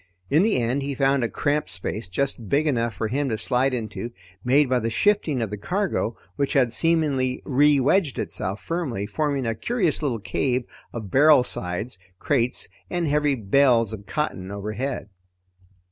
In the end he found a cramped space, just big enough for him to slide into, made by the shifting of the cargo which had seemingly rewedged itself firmly, forming a curious little cave of barrel sides, crates, and heavy bales of cotton overhead.